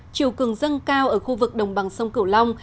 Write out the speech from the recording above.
chiều cường dâng cao ở khu vực đồng bằng sông cửu long